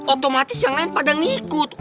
otomatis yang lain pada ngikut